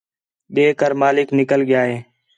ݙے کر مالک نِکل ڳِیا ہے